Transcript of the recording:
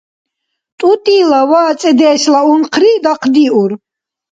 ТӀутӀила ва цӀедешла унхъри дахъдиур.